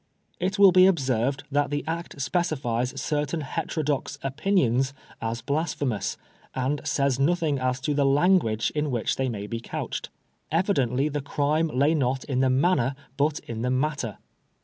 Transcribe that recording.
It will be observed that the Act specifies certain heterodox opinions as blasphemous, and says nothing as to the langiMige in which they may be couched. 10 PBISONBB FOB BLASPHEMY Evidently the crime lay not in the manner^ but in the matter.